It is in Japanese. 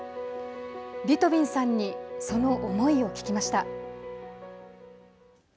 リトビンさんにその思いを聞きました。